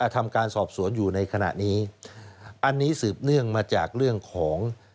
ทำการสอบสวนอยู่ในขณะนี้อันนี้สืบเนื่องมาจากเรื่องของ